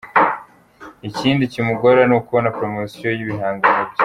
Ikindi kimugora ni ukubona promosiyo y’ibihangano bye.